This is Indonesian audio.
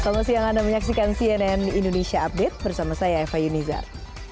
selamat siang anda menyaksikan cnn indonesia update bersama saya eva yunizar